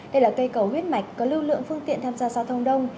đây là cây cầu huyết mạch có lưu lượng phương tiện tham gia giao thông đông